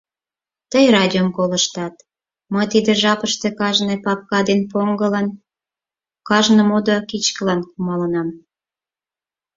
— Тый радиом колыштат, мый тиде жапыште кажне папка ден поҥгылан, кажне модо кичкылан кумалынам.